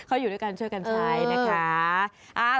เขาอยู่ด้วยกันช่วยกันใช้นะคะ